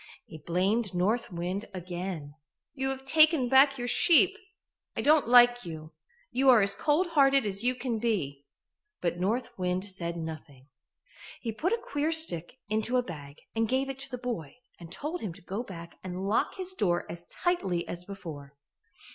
He blamed North Wind again. "You have taken back your sheep. I don't like you. You are as cold hearted as you can be." But North Wind said nothing. He put a queer stick into a bag and gave it to the boy and told him to go back and lock his door as tightly as before.